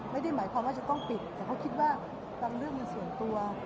ไม่ได้หมายความว่าจะต้องปิดแต่เขาคิดว่าบางเรื่องมันส่วนตัว